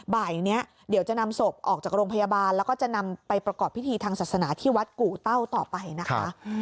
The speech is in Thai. บ่ายนี้เดี๋ยวจะนำศพออกจากโรงพยาบาลแล้วก็จะนำไปประกอบพิธีทางศาสนาที่วัดกู่เต้าต่อไปนะคะ